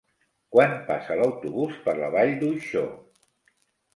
Quan passa l'autobús per la Vall d'Uixó?